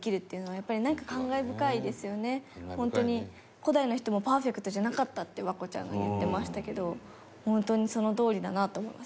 古代の人もパーフェクトじゃなかったって環子ちゃんが言ってましたけどホントにそのとおりだなと思います。